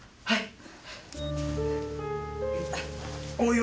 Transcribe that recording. はい。